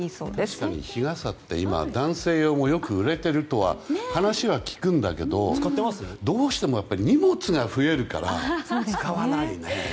確かに日傘って今、男性用もよく売れているとは話は聞くんだけどどうしても荷物が増えるから使わないね。